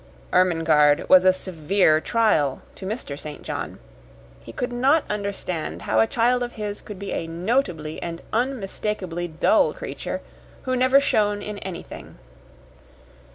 Ermengarde was a severe trial to Mr. St. John. He could not understand how a child of his could be a notably and unmistakably dull creature who never shone in anything.